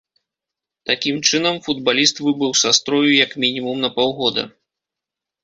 Такім чынам, футбаліст выбыў са строю як мінімум на паўгода.